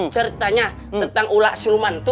ceritanya tentang ular siluman tuh